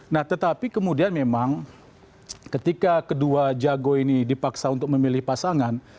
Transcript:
nah tetapi kemudian memang ketika kedua jago ini dipaksa untuk memilih pasangan